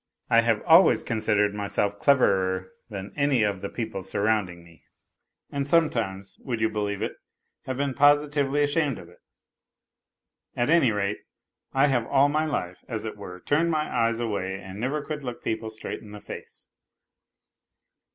(I have always considered myself cleverer than any of the people surrounding me, and sometimes, would you believe it, have been positively ashamed of it. At any rate, I have all my life, as it were, turned my eyes away and never could look people straight in the face.)